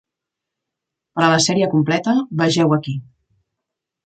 Per a la sèrie completa, vegeu aquí.